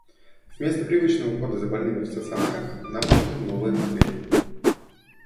Вместо привычного ухода за больными в стационарах нам нужны новые модели.